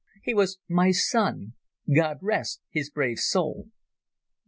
He was my son. God rest his brave soul!"